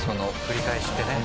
繰り返しってね。